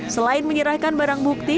selain menyerahkan barang bukti